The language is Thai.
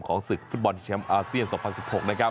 ของศึกฟุตบอลทีเชียมอาเซียน๒๐๑๖นะครับ